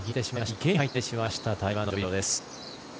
池に入ってしまいました台湾の徐薇凌です。